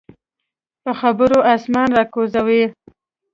په خبرو اسمان راکوزوي.